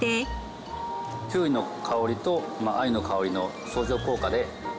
きゅうりの香りとアユの香りの相乗効果で。